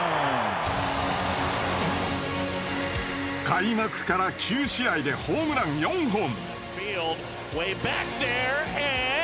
開幕から９試合でホームラン４本。